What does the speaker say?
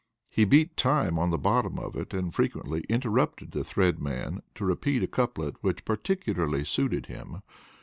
He beat time on the bottom of it, and frequently interrupted the Thread Man to repeat a couplet which particularly suited him.